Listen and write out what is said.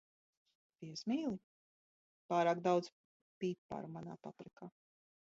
Viesmīli, pārāk daudz piparu manā paprikā.